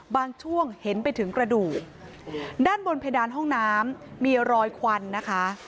ช่วงเห็นไปถึงกระดูกด้านบนเพดานห้องน้ำมีรอยควันนะคะ